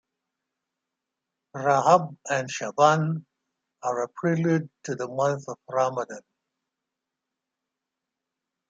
Rajab and Sha'ban are a prelude to the month of Ramadan.